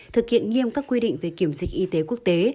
thực hiện nghiêm các quy định về kiểm dịch y tế quốc tế